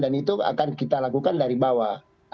dan itu akan kita lakukan dari bawah